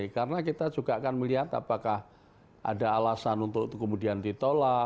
karena kita juga akan melihat apakah ada alasan untuk kemudian ditolak